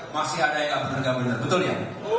masih ada yang benar benar betul ya